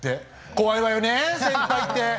怖いわよね先輩って。